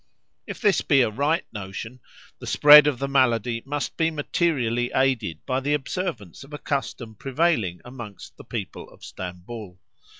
If this be a right notion, the spread of the malady must be materially aided by the observance of a custom prevailing amongst the people of Stamboul.